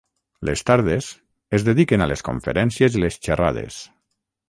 Les tardes, es dediquen a les conferències i les xerrades.